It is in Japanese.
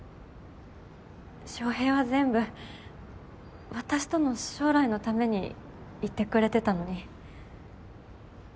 翔平は全部私との将来のために言ってくれてたのに。